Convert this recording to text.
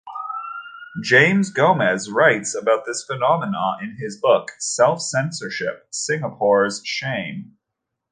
James Gomez writes about this phenomenon in his book "Self-Censorship: Singapore's Shame".